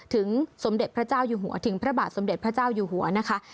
สมเด็จพระเจ้าอยู่หัวถึงพระบาทสมเด็จพระเจ้าอยู่หัวนะคะ